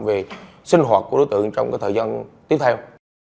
về sinh hoạt của đối tượng trong thời gian tiếp theo